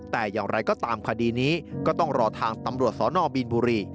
แต่อย่างไรก็ตามคดีนี้ก็ต้องรอทางตำรวจสนบีนบุรี